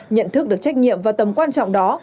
nhận thức được trách nhiệm và tầm quan trọng đó